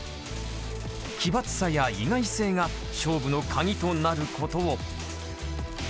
奇抜さや意外性が勝負のカギとなることを。